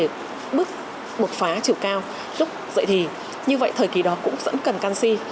để bước bột phá chiều cao lúc dậy thì như vậy thời kỳ đó cũng dẫn cần canxi